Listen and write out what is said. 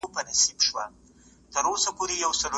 ساینس پوهانو داسي ماشین جوړ کړی چي د کتابونو پاڼي پرتله کوي.